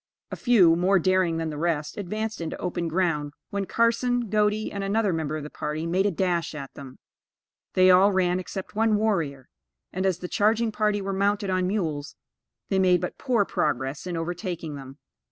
A few, more daring than the rest, advanced into open ground, when Carson, Godey, and another member of the party, made a dash at them. They all ran except one warrior, and as the charging party were mounted on mules, they made but poor progress in overtaking them.